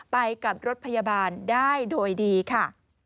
ไปกับรถพยาบาลได้โดยดีค่ะ